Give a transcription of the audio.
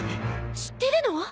知ってるの！？